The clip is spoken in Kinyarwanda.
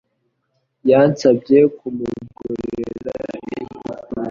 yansabye kumugurira icyo kunywa.